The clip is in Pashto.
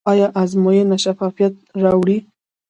آیا ازموینه شفافیت راوړي؟